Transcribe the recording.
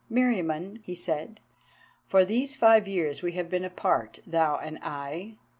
"Meriamun," he said, "for these five years we have been apart, thou and I.